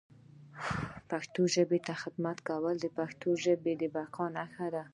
پښتو ژبي ته خدمت کول د پښتون بقا نښه ده